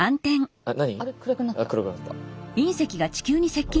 あっ何？